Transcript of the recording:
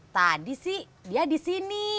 tadi sih dia disini